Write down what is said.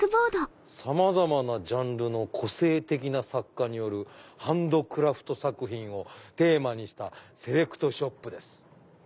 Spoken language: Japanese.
「様々なジャンルの個性的な作家によるハンドクラフト作品をテーマにしたセレクトショップです」。